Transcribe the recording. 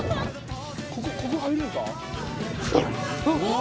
ここここ入れるか？